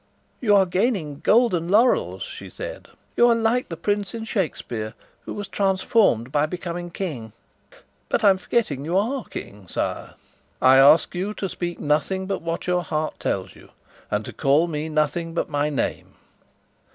"You are gaining golden laurels," she said. "You are like the prince in Shakespeare who was transformed by becoming king. But I'm forgetting you are King, sire." "I ask you to speak nothing but what your heart tells you and to call me nothing but my name."